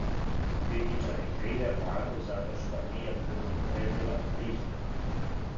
Критичари криве владу зато што није предупредила кризу.